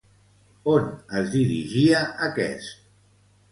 On es dirigia aquest?